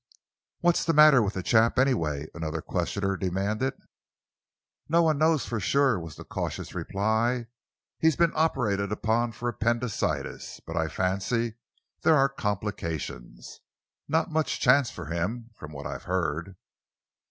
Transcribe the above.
"What's the matter with the chap, anyway?" another questioner demanded. "No one knows for sure," was the cautious reply. "He's been operated upon for appendicitis, but I fancy there are complications. Not much chance for him, from what I have heard."